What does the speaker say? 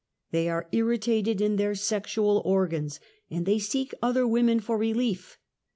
They are irritated in their sexual organs, and they seek other women for relief.